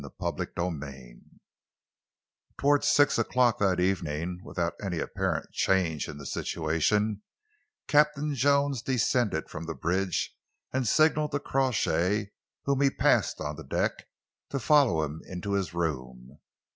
CHAPTER XIII Towards six o'clock that evening, without any apparent change in the situation, Captain Jones descended from the bridge and signalled to Crawshay, whom he passed on the deck, to follow him into his room.